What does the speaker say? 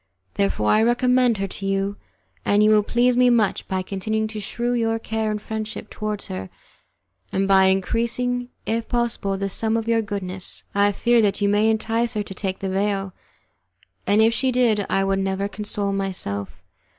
Therefore I recommend her to you, and you will please me much by continuing to shew your care and friendship towards her, and by increasing, if possible, the sum of your goodness. I fear that you may entice her to take the veil, and if she did I would never console myself.